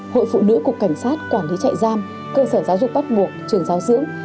hội phụ nữ của cảnh sát quản lý chạy giam cơ sở giáo dục bắt buộc trường giáo dưỡng